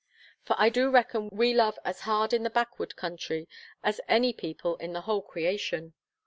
For I do reckon we love as hard in the backwood country, as any people in the whole creation.